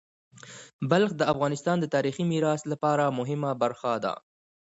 بلخ د افغانستان د تاریخی میراث لپاره مهمه برخه ده.